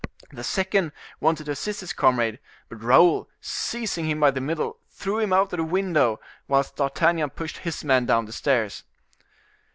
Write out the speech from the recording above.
The second wanted to assist his comrade, but Raoul, seizing him by the middle, threw him out of the window, whilst D'Artagnan pushed his man down the stairs.